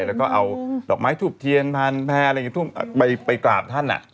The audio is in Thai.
รอกไม้ถูกเทียนผ่านแพ้ไปกล่าวท่าน